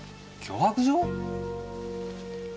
脅迫状？